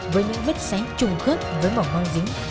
với những vết xáy trùng khớp với mỏng băng dính